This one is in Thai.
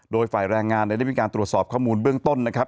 โดยฝ่ายแรงงานได้มีการตรวจสอบข้อมูลเบื้องต้นนะครับ